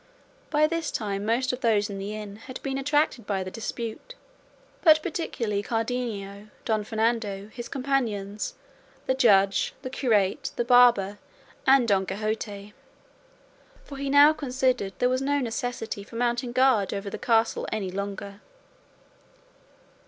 By this time most of those in the inn had been attracted by the dispute, but particularly Cardenio, Don Fernando, his companions, the Judge, the curate, the barber, and Don Quixote; for he now considered there was no necessity for mounting guard over the castle any longer.